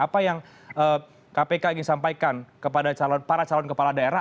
apa yang kpk ingin sampaikan kepada para calon kepala daerah